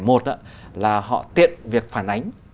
một là họ tiện việc phản ánh